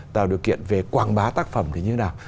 tạo điều kiện về quảng bá tác phẩm thì như thế nào